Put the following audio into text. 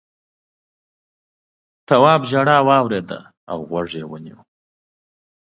تواب ژړا واورېده او غوږ یې ونيو.